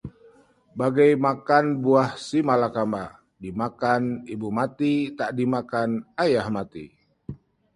Bagai makan buah simalakama, dimakan ibu mati, tak dimakan ayah mati